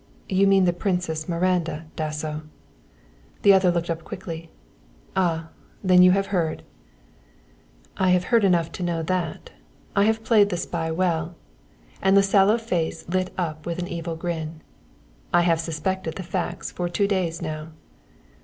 "You mean the Princess Miranda, Dasso." The other looked up quickly. "Ah, then you have heard?" "I have heard enough to know that. I have played the spy well," and the sallow face lit up with an evil grin. "I have suspected the facts for two days now."